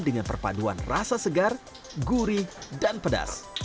dengan perpaduan rasa segar gurih dan pedas